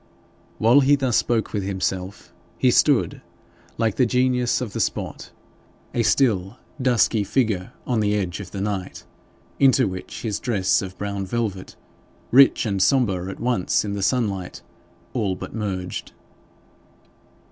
While he thus spoke with himself, he stood, like the genius of the spot, a still dusky figure on the edge of the night, into which his dress of brown velvet, rich and sombre at once in the sunlight, all but merged.